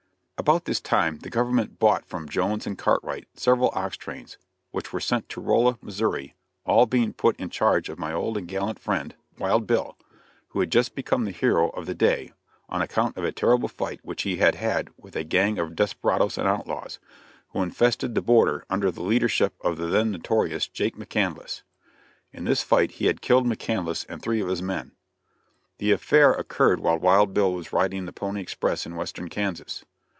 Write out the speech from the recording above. About this time the government bought from Jones and Cartwright several ox trains, which were sent to Rolla, Missouri, all being put in charge of my old and gallant friend, Wild Bill, who had just become the hero of the day, on account of a terrible fight which he had had with a gang of desperadoes and outlaws, who infested the border under the leadership of the then notorious Jake McCandless. In this fight he had killed McCandless and three of his men. The affair occurred while Wild Bill was riding the pony express in western Kansas.